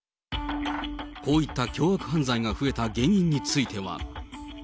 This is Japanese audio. こういった凶悪犯罪が増えた原因については。